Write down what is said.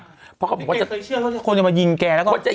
เคยเชื่อว่าคนจะมายิงแกแล้วก็